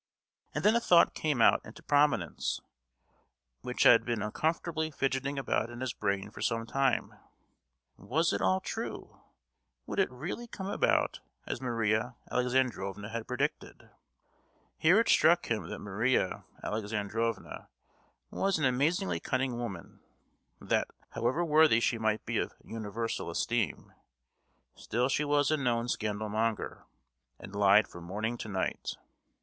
And then a thought came out into prominence, which had been uncomfortably fidgeting about in his brain for some time: "Was it all true? Would it really come about as Maria Alexandrovna had predicted?" Here it struck him that Maria Alexandrovna was an amazingly cunning woman; that, however worthy she might be of universal esteem, still she was a known scandal monger, and lied from morning to night!